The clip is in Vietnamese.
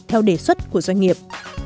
theo đề xuất của doanh nghiệp